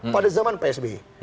pada zaman psb